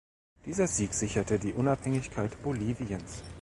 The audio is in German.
Dieser Sieg sicherte die Unabhängigkeit Boliviens.